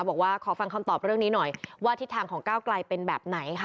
บอกว่าขอฟังคำตอบเรื่องนี้หน่อยว่าทิศทางของก้าวไกลเป็นแบบไหนค่ะ